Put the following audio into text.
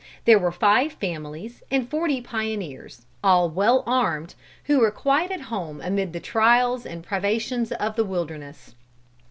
There were five families and forty pioneers, all well armed, who were quite at home amid the trials and privations of the wilderness.